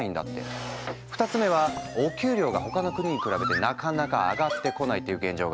２つ目はお給料が他の国に比べてなかなか上がってこないっていう現状がある。